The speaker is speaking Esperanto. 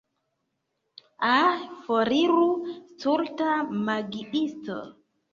Ah, foriru stulta magiisto.